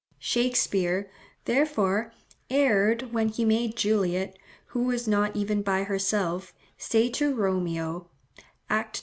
Shakspeare, therefore, erred when he made Juliet, who was not even by herself, say to Romeo (act ii.